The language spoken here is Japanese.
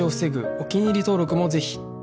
お気に入り登録もぜひ